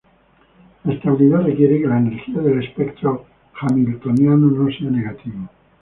La estabilidad requiere que la energía del espectro Hamiltoniano no sea negativo.